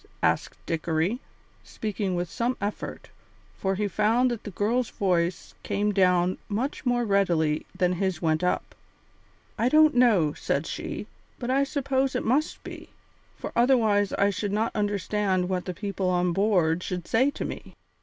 asked Dickory, speaking with some effort, for he found that the girl's voice came down much more readily than his went up. "I don't know," said she, "but I suppose it must be, for otherwise I should not understand what the people on board should say to me.